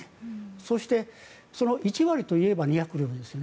そして、その１割といえば２００両ですよね。